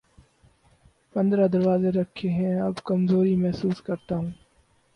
پندرہ روزے رکھے ہیں‘ اب کمزوری محسوس کر تا ہوں۔